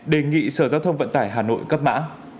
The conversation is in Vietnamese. đề nghị sở giao thông vận tải hà nội cấp mã